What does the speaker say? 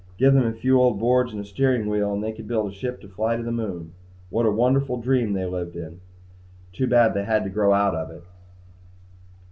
Give them a few old boards and a steering wheel and they could build a ship to fly to the moon. What a wonderful dream world they lived in! Too bad they had to grow out of it.